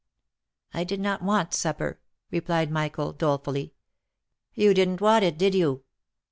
16 I did not w r ant supper," replied Michael, dolefully. " You did'nt want it, didn't you?